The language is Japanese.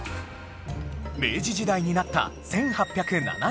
明治時代になった１８７３年